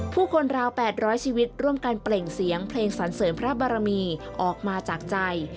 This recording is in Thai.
ผู้คนราว๘๐๐ชีวิตร่วมกันเปล่งเสียงเพลงสันเสริมพระบารมีออกมาจากใจ